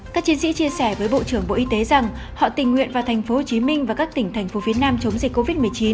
các chiến sĩ chia sẻ với bộ trưởng bộ y tế rằng họ tình nguyện vào tp hcm và các tỉnh tp phcm chống dịch covid một mươi chín